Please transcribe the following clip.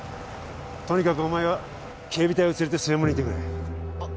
とにかくお前は警備隊を連れて正門にいてくれあっ